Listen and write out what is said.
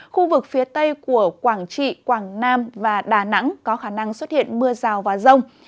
khu vực phía tây của quảng trị quảng nam và đà nẵng có khả năng xuất hiện mưa rào và rông